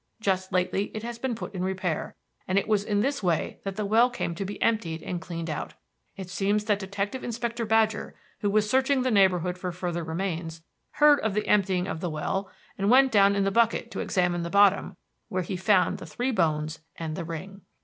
Just lately it has been put in repair, and it was in this way that the well came to be emptied and cleaned out. It seems that Detective Inspector Badger, who was searching the neighborhood for further remains, heard of the emptying of the well and went down in the bucket to examine the bottom, where he found the three bones and the ring.